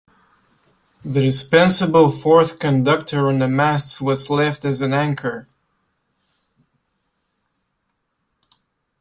The dispensable fourth conductor on the masts was left as an anchor.